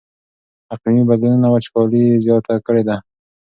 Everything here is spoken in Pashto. اقلیمي بدلونونو وچکالي زیاته کړې ده.